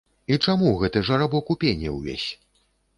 І чаму гэты жарабок у пене ўвесь?